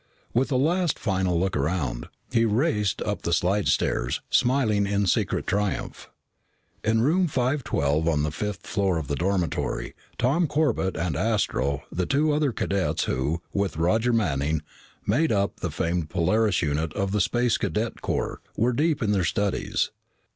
With a last final look around, he raced up the slidestairs, smiling in secret triumph. In Room 512 on the fifth floor of the dormitory, Tom Corbett and Astro, the two other cadets who, with Roger Manning, made up the famed Polaris unit of the Space Cadet Corps, were deep in their studies.